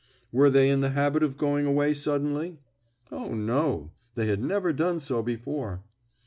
"Were they in the habit of going away suddenly?" "O, no; they had never done so before."